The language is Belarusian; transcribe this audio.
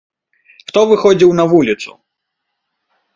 Хто выходзіў на вуліцу?